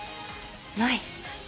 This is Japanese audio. ない。